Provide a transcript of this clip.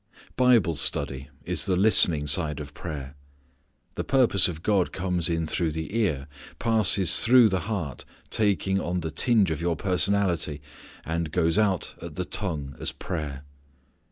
Bible study is the listening side of prayer. The purpose of God comes in through the ear, passes through the heart taking on the tinge of your personality, and goes out at the tongue as prayer.